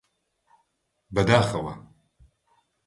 بەداخەوە!